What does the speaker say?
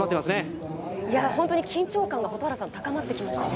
蛍原さん、本当に緊張感が高まってきましたね。